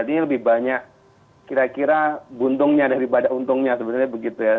ini lebih banyak kira kira buntungnya daripada untungnya sebenarnya begitu ya